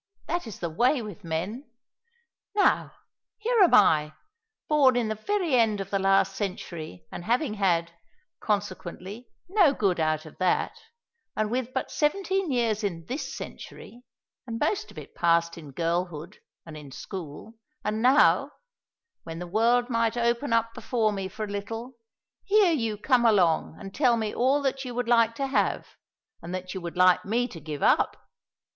That is the way with men! Now, here am I, born in the very end of the last century, and having had, consequently, no good out of that, and with but seventeen years in this century, and most of it passed in girlhood and in school; and now, when the world might open before me for a little, here you come along and tell me all that you would like to have, and that you would like me to give up."